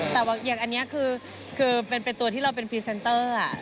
แต่อย่างอันนี้คือเป็นตัวที่เราเป็นพรีเซนเตอร์